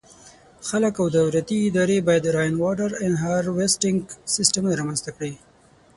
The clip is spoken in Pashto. خلک او دولتي ادارې باید د “Rainwater Harvesting” سیسټمونه رامنځته کړي.